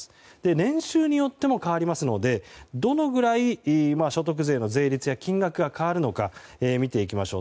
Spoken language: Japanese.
年収によっても変わりますのでどのぐらい所得税の税率や金額が変わるのか見ていきましょう。